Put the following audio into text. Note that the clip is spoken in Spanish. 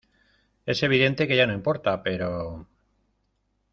es evidente que ya no importa, pero...